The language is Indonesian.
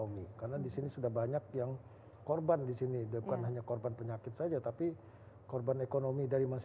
omi karena di sini sudah banyak yang determine disini assembly karbondia